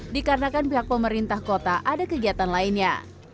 dikarenakan pihak pemerintah kota ada kegiatan lainnya